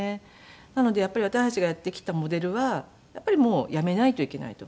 なのでやっぱり私たちがやってきたモデルはもうやめないといけないと。